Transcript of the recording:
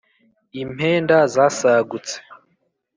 impenda zasagutse